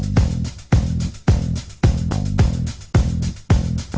ขอบคุณครับ